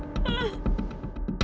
aku juga keliatan jalan sama si neng manis